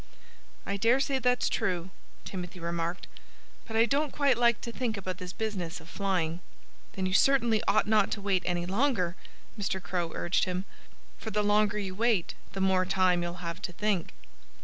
"I dare say that's true," Timothy remarked. "But I don't quite like to think about this business of flying." "Then you certainly ought not to wait any longer," Mr. Crow urged him. "For the longer you wait the more time you'll have to think."